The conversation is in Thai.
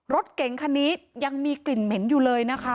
รถเก๋งคันนี้ยังมีกลิ่นเหม็นอยู่เลยนะคะ